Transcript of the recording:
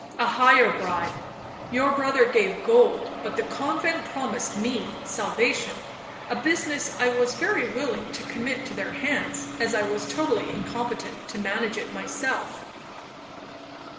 '—'A higher bribe. Your brother gave gold, but the convent promised me salvation,—a business I was very willing to commit to their hands, as I was totally incompetent to manage it myself.'